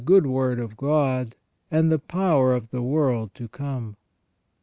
good word of God, and the power of the world to come."